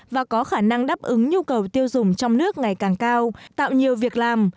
và có khả năng đáp ứng nhu cầu tiêu dùng trong nước ngày càng cao tạo nhiều việc làm